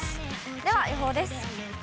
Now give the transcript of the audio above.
では予報です。